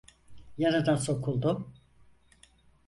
Yanına sokuldum...